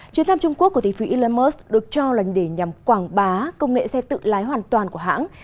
chuyến thăm trung quốc của tỷ phú elon musk được cho là để nhằm quảng bá công nghệ xe tự lái hoàn toàn của hãng